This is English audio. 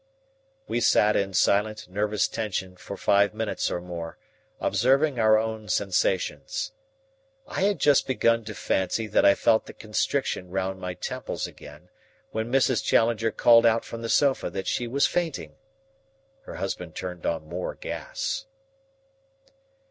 We sat in silent nervous tension for five minutes or more, observing our own sensations. I had just begun to fancy that I felt the constriction round my temples again when Mrs. Challenger called out from the sofa that she was fainting. Her husband turned on more gas.